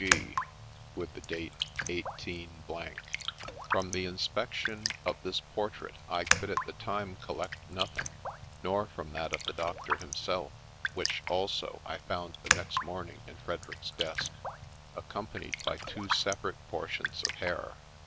G. with the date 18 —. From the inspection of this portrait, I could at the time collect nothing, nor from that of the Doctor himself, which, also, I found the next morning in Frederick's desk, accompanied by two separate portions of hair.